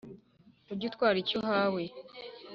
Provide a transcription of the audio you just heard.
uge utwara icyo uhawe